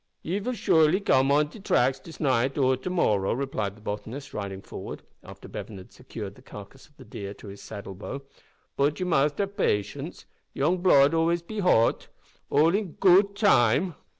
"Ye vill surely come on de tracks dis naight or de morrow," replied the botanist, riding forward, after Bevan had secured the carcass of the deer to his saddle bow, "bot ye must have patience, yoong blood be always too hote. All in goot time."